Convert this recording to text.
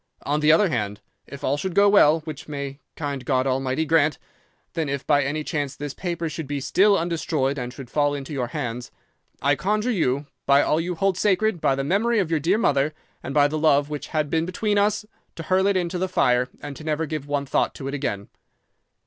On the other hand, if all should go well (which may kind God Almighty grant!), then if by any chance this paper should be still undestroyed and should fall into your hands, I conjure you, by all you hold sacred, by the memory of your dear mother, and by the love which had been between us, to hurl it into the fire and to never give one thought to it again.